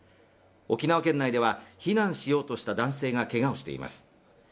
沖縄県内では避難しようとした男性がけがをしています。